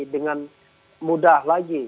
dengan mudah lagi